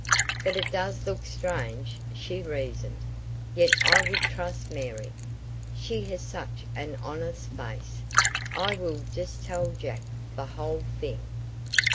"But it does look strange," she reasoned. "Yet I would trust Mary. She has such an honest face. I will just tell Jack the whole thing."